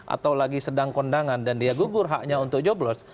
atau lagi sedang kondangan dan dia gugur haknya untuk joblos